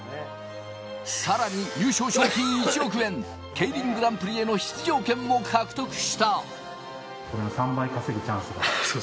さらに優勝賞金１億円、ＫＥＩＲＩＮグランプリへの出場権も獲得した。